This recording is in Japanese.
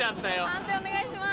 判定お願いします。